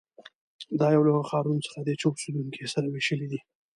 دا یو له هغو ښارونو څخه دی چې اوسېدونکي یې سره وېشلي دي.